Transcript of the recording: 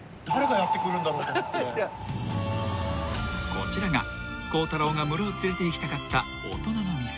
［こちらが孝太郎がムロを連れていきたかった大人の店］